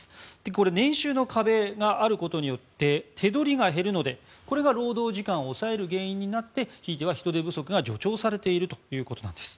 これ、年収の壁があることによって手取りが減るので、これが労働時間を抑える原因になってひいては人手不足が助長されているということなんです。